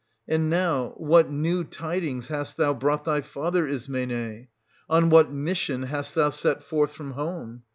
74 SOPHOCLES, {zhl—Z'^l And now what new tidings hast thou brought thy father, Ismene ? On what mission hast thou set forth from home